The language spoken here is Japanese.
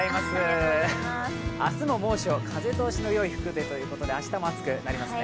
明日も猛暑、風通しの良い服でということで明日も暑くなりますね。